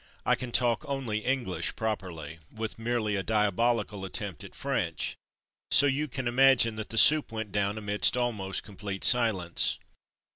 I can talk only English properly, with merely a diabolical attempt at French, so you can imagine that the soup went down amidst almost complete silence.